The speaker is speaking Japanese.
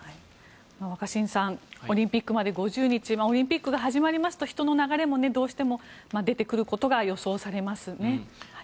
若新さんオリンピックまで５０日オリンピックが始まりますと人の流れもどうしても出てくることが予想されますね。